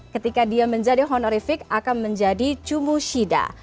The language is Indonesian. ketika dia menjadi honorific akan menjadi cumushida